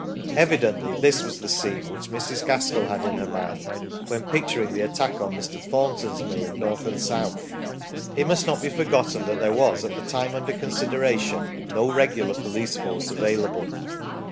Evidently this was the scene which Mrs. Gaskell had in her mind when picturing the attack on Mr. Thornton's mill in "North and South". It must not be forgotten that there was, at the time under consideration, no regular police force available.